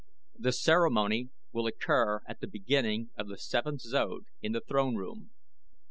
"The ceremony will occur at the beginning of the seventh zode* in the throne room.